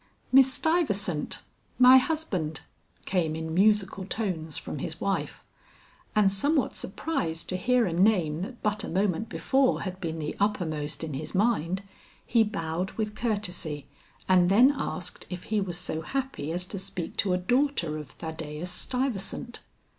"Miss Stuyvesant! my husband!" came in musical tones from his wife, and somewhat surprised to hear a name that but a moment before had been the uppermost in his mind, he bowed with courtesy and then asked if he was so happy as to speak to a daughter of Thaddeus Stuyvesant.